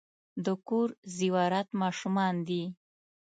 د کور زیورات ماشومان دي .